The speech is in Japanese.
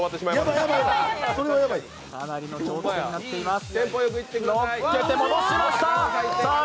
かなりの長期戦になっています。